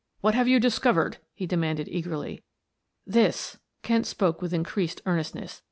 "What have you discovered?" he demanded eagerly. "This," Kent spoke with increased earnestness.